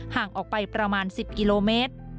ห่างออกไปประมาณ๑๐กิโลเมตร